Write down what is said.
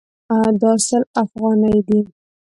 دا سل افغانۍ دي